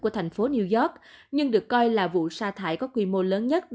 của thành phố new york nhưng được coi là vụ xa thải có quy mô lớn nhất